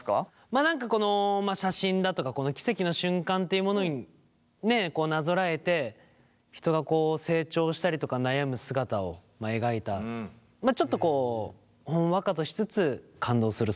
まあ何かこの写真だとかこのキセキの瞬間っていうものになぞらえて人が成長したりとか悩む姿を描いたちょっとほんわかとしつつ感動する